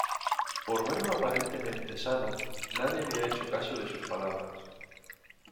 Por verlo aparentemente sano, nadie había hecho caso de sus palabras.